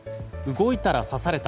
動いたら刺された。